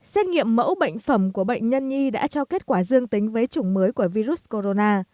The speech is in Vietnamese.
xét nghiệm mẫu bệnh phẩm của bệnh nhân nhi đã cho kết quả dương tính với chủng mới của virus corona